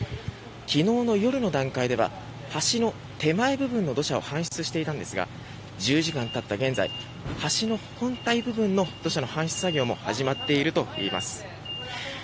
昨日の夜の段階では橋の手前部分の土砂を搬出していたんですが１０時間経った現在橋の本体部分の土砂の搬出作業も始まっているといいます。